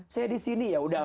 saya disini yaudah